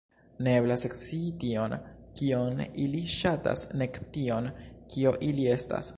Ne eblas scii tion, kion ili ŝatas, nek tion, kio ili estas.